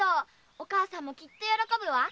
お母さんもきっと喜ぶわ。